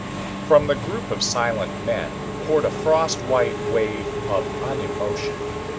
From the group of silent men poured a frost white wave of unemotion.